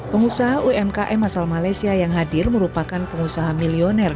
pengusaha umkm asal malaysia yang hadir merupakan pengusaha milioner